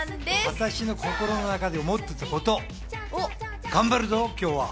私の心の中で思ってたこと、頑張るぞ、今日は。